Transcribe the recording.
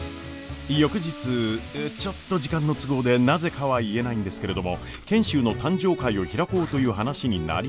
翌日ちょっと時間の都合でなぜかは言えないんですけれども賢秀の誕生会を開こうという話になりまして。